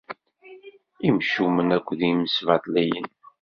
Imcumen akked yimesbaṭliyen.